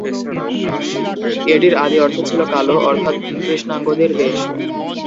এটির আদি অর্থ ছিল "কালো", অর্থাৎ "কৃষ্ণাঙ্গদের দেশ"।